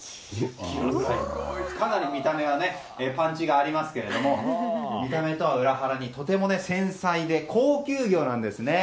かなり見た目はパンチがありますけれども見た目とは裏腹にとても繊細で高級魚なんですね。